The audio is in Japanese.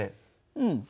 うん。